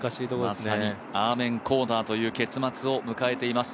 まさにアーメンコーナーという結末を迎えています。